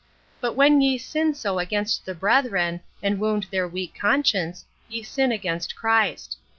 But when ye sin so against the brethren, and wound their weak conscience, ye sin against Christ.